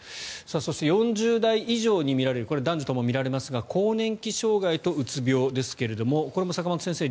そして、４０代以上に見られるこれは男女とも見られますが更年期障害とうつ病ですがこれも坂元先生